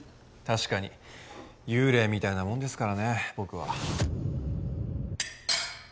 確かに幽霊みたいなもんですからね僕は。